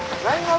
はい。